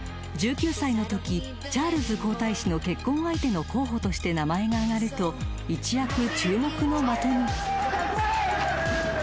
［１９歳のときチャールズ皇太子の結婚相手の候補として名前が上がると一躍注目の的に］